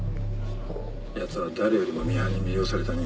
やつは誰よりもミハンに魅了された人間だ。